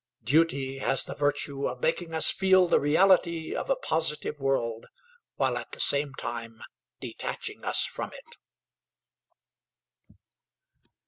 Duty has the virtue of making us feel the reality of a positive world while at the same time detaching us from it.